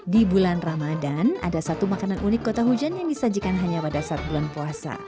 di bulan ramadan ada satu makanan unik kota hujan yang disajikan hanya pada saat bulan puasa